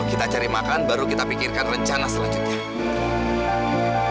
kita cari makan baru kita pikirkan rencana selanjutnya